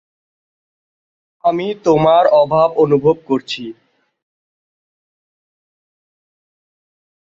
আমি তোমার অভাব অনুভব করছি।